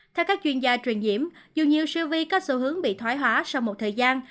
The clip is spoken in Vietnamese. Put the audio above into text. theo các chuyên gia truyền nhiễm dù nhiều siêu vi có xu hướng bị thoái hóa sau một thời gian